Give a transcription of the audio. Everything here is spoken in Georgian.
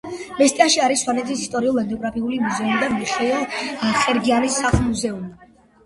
მესტიაში არის სვანეთის ისტორიულ-ეთნოგრაფიული მუზეუმი და მიხეილ ხერგიანის სახლ-მუზეუმი.